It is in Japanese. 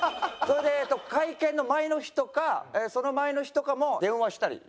それで会見の前の日とかその前の日とかも電話したりしてましたから。